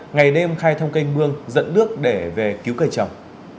ngày đêm khai thông kênh mương dẫn nước để về cứu cây trồng